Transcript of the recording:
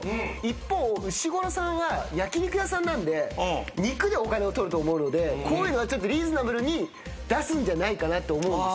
一方うしごろさんは焼き肉屋さんなんで肉でお金をとると思うのでこういうのはリーズナブルに出すんじゃないかなって思う。